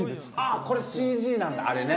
これＣＧなんだあれね！